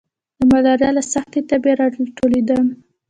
د ملاريا له سختې تبي را لټېدم.